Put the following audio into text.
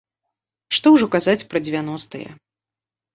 Што ўжо казаць пра дзевяностыя.